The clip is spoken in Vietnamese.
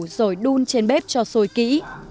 rồi đun trên bếp cho sôi kỹ